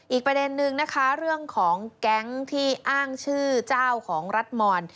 อีกประเด็นนึงนะคะเรื่องของแก๊งที่อ้างชื่อเจ้าของรัฐมอน